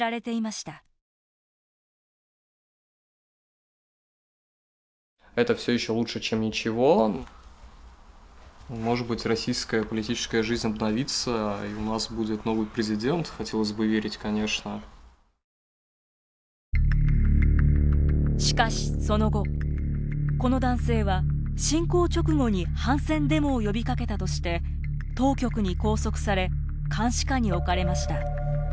しかし、その後この男性は侵攻直後に反戦デモを呼びかけたとして当局に拘束され監視下に置かれました。